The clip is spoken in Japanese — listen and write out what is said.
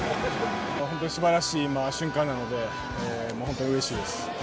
本当にすばらしい瞬間なので、本当にうれしいです。